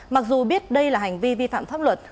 mặc dù biết đây là hành vi vi phạm pháp luật